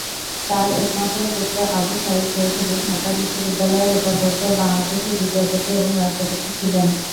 তার একমাত্র পুত্র আবু সাঈদ চৌধুরী ঢাকা বিশ্ববিদ্যালয়ের উপাচার্য, বাংলাদেশের বিচারপতি এবং রাষ্ট্রপতি ছিলেন।